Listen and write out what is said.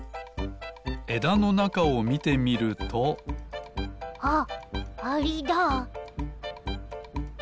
えだのなかをみてみるとあっアリだ！